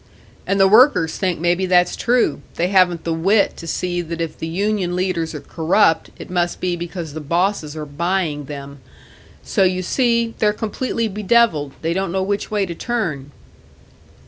And the workers think maybe that's true; they haven't the wit to see that if the union leaders are corrupt, it must be because the bosses are buying them. So you see, they're completely bedevilled; they don't know which way to turn."